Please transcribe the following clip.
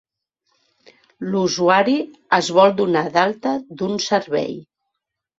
L'usuari es vol donar d'alta d'un servei.